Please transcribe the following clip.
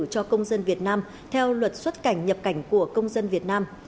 cho công dân việt nam theo luật xuất cảnh nhập cảnh của công dân việt nam